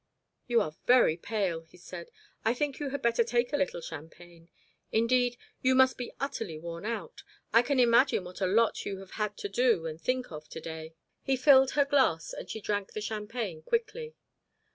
"You are very pale," he said; "I think you had better take a little champagne. Indeed, you must be utterly worn out. I can imagine what a lot you have had to do and think of to day." He filled her glass, and she drank the champagne quickly.